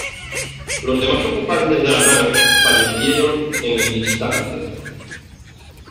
Los demás ocupantes de la nave fallecieron en el instante.